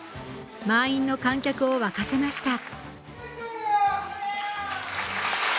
満員の観客を沸かせました。